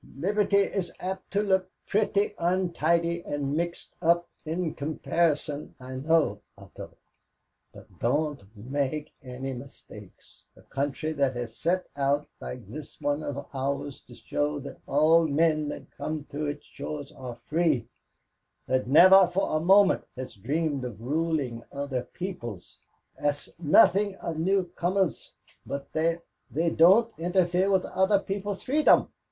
Liberty is apt to look pretty untidy and mixed up in comparison, I know, Otto. But don't make any mistake; a country that has set out like this one of ours to show that all men that come to its shores are free, that never for a moment has dreamed of ruling other peoples, asks nothing of newcomers but that they don't interfere with other people's freedom.